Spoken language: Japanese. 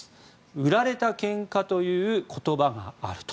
売られたけんかという言葉があると。